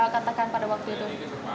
katakan pada waktu itu